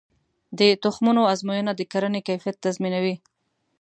د تخمونو ازموینه د کرنې کیفیت تضمینوي.